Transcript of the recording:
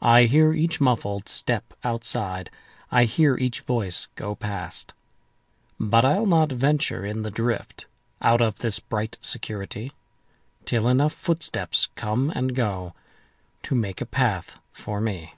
I hear each muffled step outside,I hear each voice go past. But I'll not venture in the driftOut of this bright security, Till enough footsteps come and goTo make a path for me.